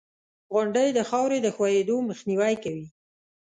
• غونډۍ د خاورې د ښویېدو مخنیوی کوي.